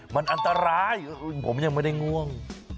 มันอันตรายผมยังไม่ได้ง่วง